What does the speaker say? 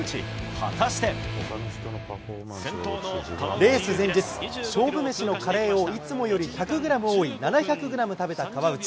レース前日、勝負メシのカレーをいつもより１００グラム多い７００グラム食べた川内。